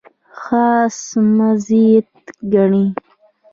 خاص مزیت ګڼي.